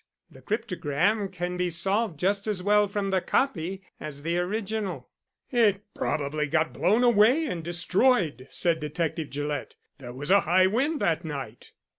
The cryptogram can be solved just as well from the copy as the original." "It probably got blown away and destroyed," said Detective Gillett. "There was a high wind that night."